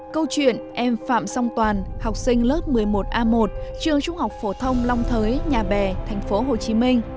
câu chuyện em phạm song toàn học sinh lớp một mươi một a một trường trung học phổ thông long thới nhà bè thành phố hồ chí minh